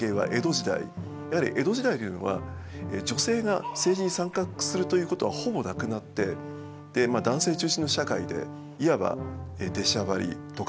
やはり江戸時代というのは女性が政治に参画するということはほぼなくなってまあ男性中心の社会でいわば出しゃばりとかですね